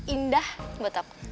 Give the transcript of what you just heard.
indah buat aku